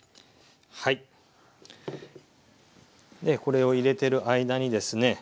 これを入れてる間にですね